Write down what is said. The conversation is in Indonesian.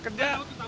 kan aja doang